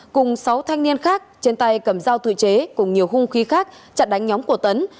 cùng sáu thanh niên khác trên tay cầm dao tự chế cùng nhiều hung khí khác chặn đánh nhóm của tấn